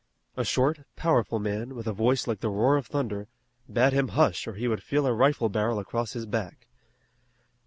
A short, powerful man, with a voice like the roar of thunder, bade him hush or he would feel a rifle barrel across his back.